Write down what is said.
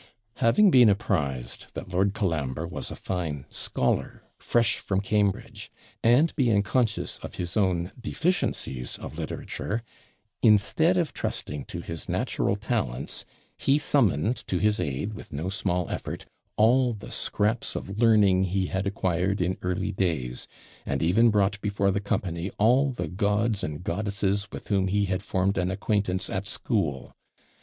Having been apprised that Lord Colambre was a fine scholar, fresh from Cambridge, and being conscious of his own deficiencies of literature, instead of trusting to his natural talents, he summoned to his aid, with no small effort, all the scraps of learning he had acquired in early days, and even brought before the company all the gods and goddesses with whom he had formed an acquaintance at school.